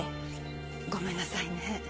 ごめんなさいね。